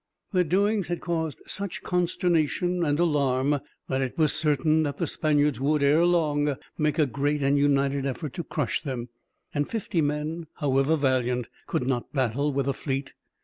Their doings had caused such consternation and alarm that it was certain that the Spaniards would, ere long, make a great and united effort to crush them; and fifty men, however valiant, could not battle with a fleet.